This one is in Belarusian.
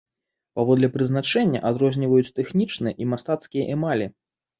Паводле прызначэння адрозніваюць тэхнічныя і мастацкія эмалі.